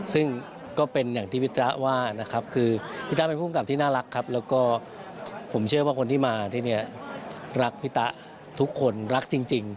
ซึ่งก็เป็นอย่างที่พี่จ๊ะว่านะครับคือพี่ต้าเป็นผู้กำกับที่น่ารักครับแล้วก็ผมเชื่อว่าคนที่มาที่เนี่ยรักพี่ตะทุกคนรักจริง